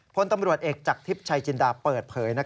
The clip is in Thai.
พลตำรวจเอกจากทิพย์ชัยจินดาเปิดเผย